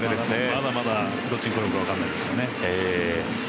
まだまだどっちに転ぶか分からないですね。